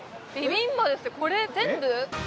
これ全部？